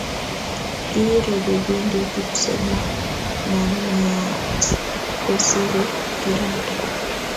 Kiiro ribinde kipsomananiat kosirei kirato